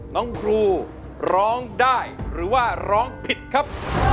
น้องครูร้องได้หรือว่าร้องผิดครับ